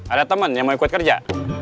ada teman yang mau ikut kerja